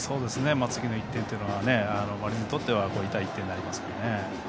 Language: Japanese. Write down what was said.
次の１点というのはマリーンズにとっては痛い１点になりますからね。